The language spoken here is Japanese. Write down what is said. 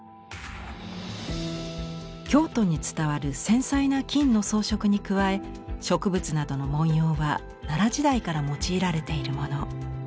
京都に伝わる繊細な金の装飾に加え植物などの文様は奈良時代から用いられているもの。